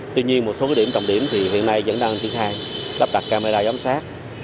tuy nhiên một số điểm trọng điểm thì hiện nay vẫn đang triển khai lắp đặt camera giám sát